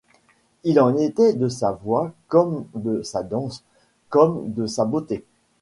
Il en était de sa voix comme de sa danse, comme de sa beauté.